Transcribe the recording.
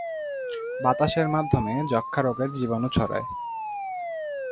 বাতাসের মাধ্যমে যক্ষা রোগের জীবাণু ছড়ায়।